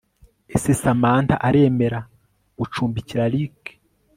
ESE SAMANTHA AREMERA GUCUMBIKIRA RICKY